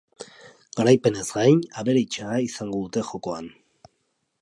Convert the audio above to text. Garaipenaz gain aberage-a izango dute jokoan.